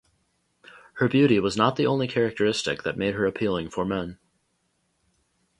Her beauty was not the only characteristic that made her appealing for men.